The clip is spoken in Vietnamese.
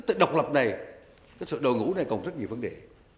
cái độc lập này cái sự đội ngũ này còn rất nhiều vấn đề